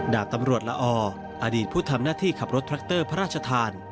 ดาบตำรวจละออดีตผู้ทำหน้าที่ขับรถแทรคเตอร์พระราชทาน